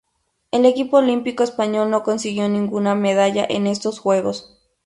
El equipo olímpico español no consiguió ninguna medalla en estos Juegos.